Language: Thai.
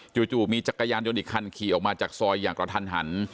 จู่มีจักรยานยนต์อีกคันขี่ออกมาจากซอยอย่างกระทันหัน